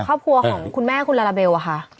ครอบครัวของคุณแม่คุณลาลาเบลอะค่ะ